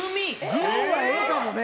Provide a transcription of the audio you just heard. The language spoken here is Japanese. グミはええかもね！